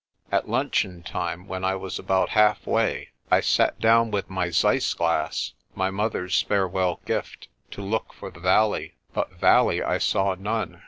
At luncheon time, when I was about halfway, I sat down with my Zeiss glass my mother's farewell gift to look for the valley. But valley I saw none.